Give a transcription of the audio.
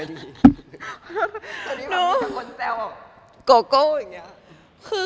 ตอนนี้บางคนแจ้วว่าโกโก้อย่างนี้